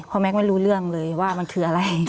เพราะแก๊กไม่รู้เรื่องเลยว่ามันคืออะไร